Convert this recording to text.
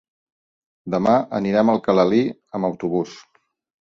Demà anirem a Alcalalí amb autobús.